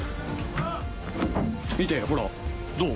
見てよほらどう？